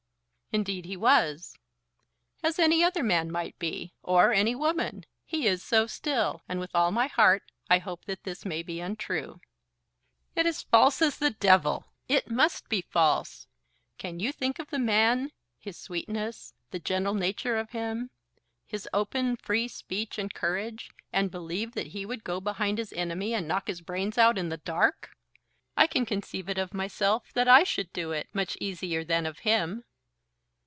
"Indeed he was." "As any other man might be, or any woman. He is so still, and with all my heart I hope that this may be untrue." "It is false as the Devil. It must be false. Can you think of the man, his sweetness, the gentle nature of him, his open, free speech, and courage, and believe that he would go behind his enemy and knock his brains out in the dark? I can conceive it of myself, that I should do it, much easier than of him."